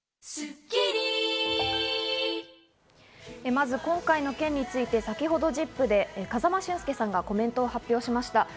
まず今回の件について、先ほど『ＺＩＰ！』で風間俊介さんがコメントを発表しました。